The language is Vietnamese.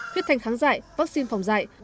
huyết thanh kháng dại vaccine phòng dại